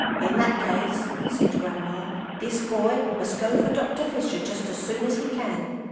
"In that case," said Grandma, "this boy must go for Dr. Fisher just as soon as he can."